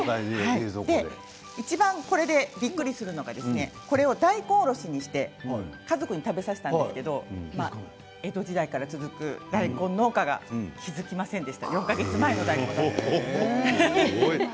いちばんこれでびっくりするのはこれを、大根おろしにして家族に食べさせたんですけど江戸時代から続く大根農家が気付きませんでした４か月前の大根だと。